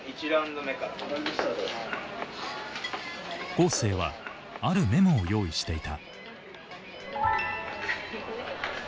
恒成はあるメモを用意していた。